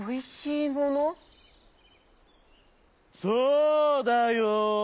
「そうだよ。